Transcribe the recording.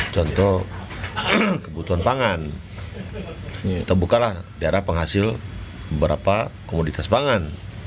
contoh kebutuhan pangan terbukalah daerah penghasil beberapa komoditas pangan